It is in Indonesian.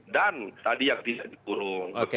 dan tadi yang dikurung